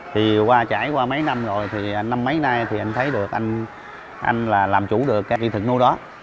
thì trải qua mấy năm rồi năm mấy nay thì anh thấy được anh là làm chủ được cái kỹ thuật nuôi đó